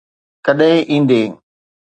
ڪڏھن ايندين؟